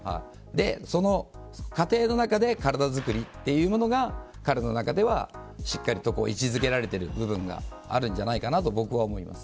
その過程の中で体づくりというものがしっかりと位置付けられている部分があるんじゃないかなと僕は思います。